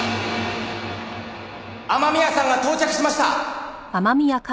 雨宮さんが到着しました。